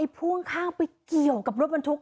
พ่วงข้างไปเกี่ยวกับรถบรรทุก